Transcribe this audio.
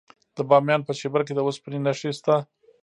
د بامیان په شیبر کې د وسپنې نښې شته.